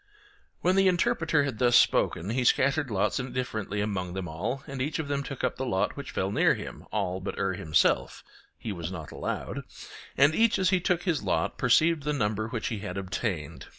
When the Interpreter had thus spoken he scattered lots indifferently among them all, and each of them took up the lot which fell near him, all but Er himself (he was not allowed), and each as he took his lot perceived the number which he had obtained.